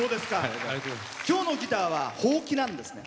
今日のギターはほうきなんですね。